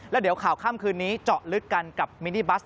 แล้วเดี๋ยวข่าวค่ำคืนนี้เจาะลึกกันกับมินิบัส